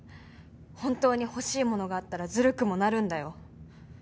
本当に欲しいものがあったらずるくもなるんだよ。